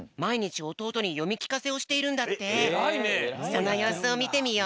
そのようすをみてみよう。